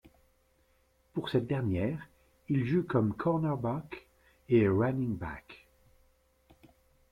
Pour cette dernière, il joue comme cornerback et running back.